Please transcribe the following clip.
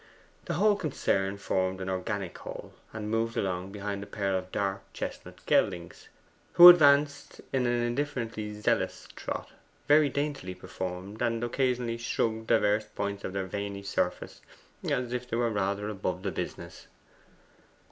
The whole concern formed an organic whole, and moved along behind a pair of dark chestnut geldings, who advanced in an indifferently zealous trot, very daintily performed, and occasionally shrugged divers points of their veiny surface as if they were rather above the business.